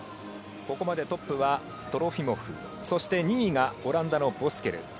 ここまでトップはトロフィモフそして、２位がオランダのボスケル。